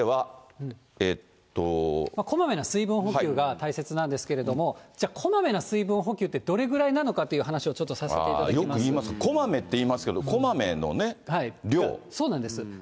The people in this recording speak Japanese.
こまめな水分補給が大切なんですけれども、じゃあ、こまめな水分補給ってどれぐらいなのかっていう話をちょっとさせよくいいます、こまめっていいますけど、こまめの量。